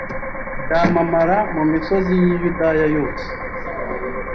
byamamara mu misozi y i yudaya yose